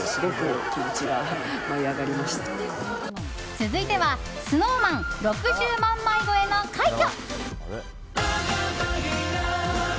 続いてはＳｎｏｗＭａｎ６０万枚超えの快挙。